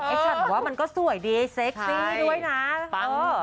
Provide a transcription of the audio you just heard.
ไอฉันว่ามันก็สวยดีไอ้เสคซีด้วยนะ